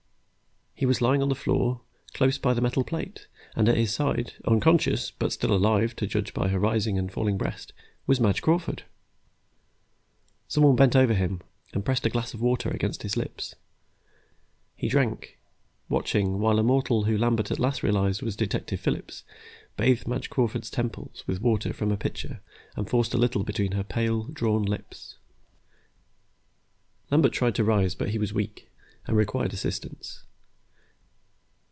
He was lying on the floor, close by the metal plate, and at his side, unconscious but still alive to judge by her rising and falling breast, was Madge Crawford. Someone bent over him, and pressed a glass of water against his lips. He drank, watching while a mortal whom Lambert at last realized was Detective Phillips bathed Madge Crawford's temples with water from a pitcher and forced a little between her pale, drawn lips. Lambert tried to rise, but he was weak, and required assistance.